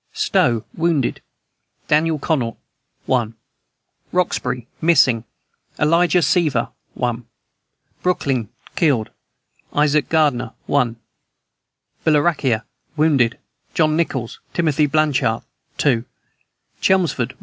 STOWE. Wounded: Daniel Conant, 1. ROXBURY. Missing: Elijah Seaver, 1. BROOKLINE. Killed: Isaac Gardner, 1. BILLERICA. Wounded: John Nichols, Timothy Blanchard, 2. CHELMSFORD.